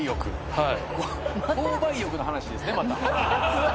はい。